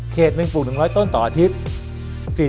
เขต๑ปลูก๑๐๐ต้นต่ออาทิตย์